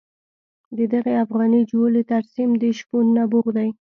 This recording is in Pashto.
د دغې افغاني جولې ترسیم د شپون نبوغ دی.